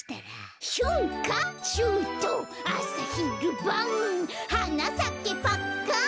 「しゅんかしゅうとうあさひるばん」「はなさけパッカン」